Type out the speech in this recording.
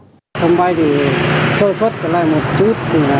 hôm nay thì sơ xuất lại một chút